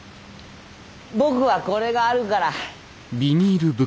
僕はこれがあるから。